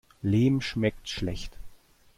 Lehm schmeckt schlecht.